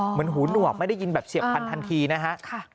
เหมือนหูหนวกไม่ได้ยินแบบเฉียบพันทันทีนะฮะ